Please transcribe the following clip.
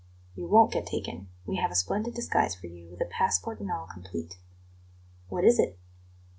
"You won't get taken; we have a splendid disguise for you, with a passport and all complete." "What is it?"